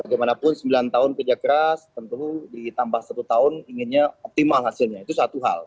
bagaimanapun sembilan tahun kerja keras tentu ditambah satu tahun inginnya optimal hasilnya itu satu hal